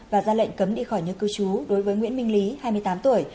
và ra lệnh cấm đi khỏi nơi cư trú đối với nguyễn minh lý hai mươi tám tuổi